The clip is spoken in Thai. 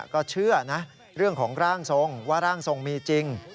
ก็เชื่อนะเรื่องของร่างทรงว่าร่างทรงมีจริง